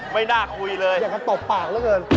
ไม่น่าคุยเลยอยากจะตบปากแล้วเกิน